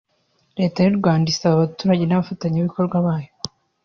Leta y’u Rwanda isaba abaturage n’abafatanyabikorwa bayo